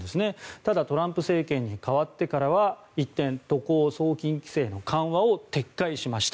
ただ、トランプ政権に代わってからは一転渡航・送金規制の緩和を撤回しました。